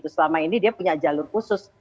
selama ini dia punya jalur khusus